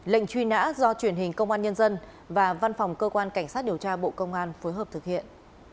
lệnh truy nã do truyền hình công an nhân dân và văn phòng cơ quan cảnh sát điều tra bộ công an phối hợp thực hiện